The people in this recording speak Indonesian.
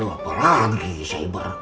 apa lagi cyber